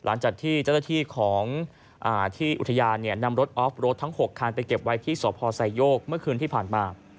หลังจากที่เจ้าหน้าที่ของที่อุทยานนำรถออฟรถทั้ง๖คันไปเก็บไว้ที่สพไซโยกเมื่อคืนที่ผ่านมา